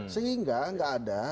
sehingga gak ada